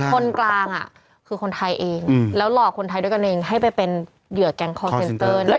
คนกลางคือคนไทยเองแล้วหลอกคนไทยด้วยกันเองให้ไปเป็นเหยื่อแก๊งคอลเซนเตอร์